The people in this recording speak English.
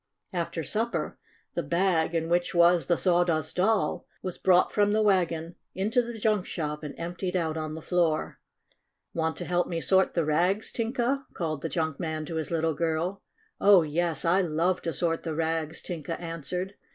After supper the bag, in which was the Sawdust Doll, was brought from the wag on into the junk shop, and emptied out on the floor. "Want to help me sort the rags, Tin 96 STORY OF A SAWDUST DOLL ka ?" called the junk man to his little girl. "Oh, yes, I love to sort the rags," Tin ka answered.